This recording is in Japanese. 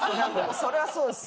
そりゃそうです。